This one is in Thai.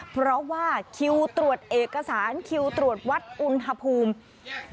เพราะว่าคิวตรวจเอกสารคิวตรวจวัดอุณหภูมิ